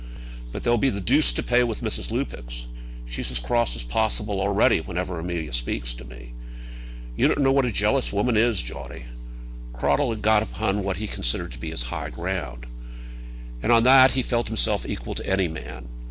"But there'll be the deuce to pay with Mrs. Lupex. She's as cross as possible already whenever Amelia speaks to me. You don't know what a jealous woman is, Johnny." Cradell had got upon what he considered to be his high ground. And on that he felt himself equal to any man.